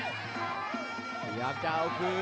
พยายามจะเอาคืน